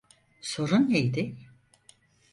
Sorun neydi?